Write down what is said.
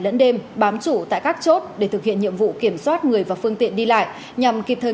lẫn đêm bám chủ tại các chốt để thực hiện nhiệm vụ kiểm soát người và phương tiện đi lại nhằm kịp thời